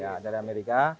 ya dari amerika